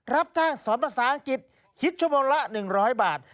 รับจ้างสอนภาษาอังกฤษคิดชั่วโมงละ๑๐๐บาท